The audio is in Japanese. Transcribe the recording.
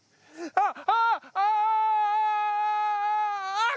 あっ！